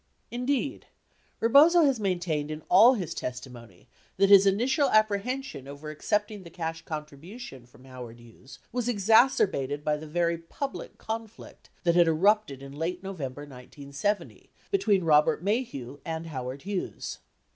Indeed, Rebozo has maintained in all his testimony that his initial apprehension over accepting the cash contribution from Howard Hughes was exacerbated by the very public conflict that had erupted in late November 1970, between Robert, Maheu and Howard Hughes.